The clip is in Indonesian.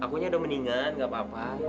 akunya udah meninggal gak apa apa